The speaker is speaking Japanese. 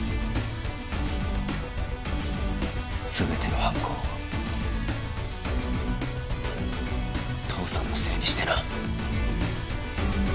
全ての犯行を父さんのせいにしてな。